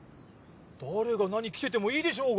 誰が何着ててもいいでしょうが！